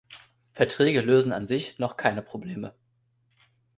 Verträge lösen an sich noch keine Probleme.